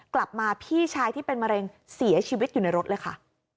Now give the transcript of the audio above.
กลับมาพี่ชายที่เป็นมะเร็งเสียชีวิตอยู่ในรถเลยค่ะ